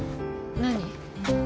何？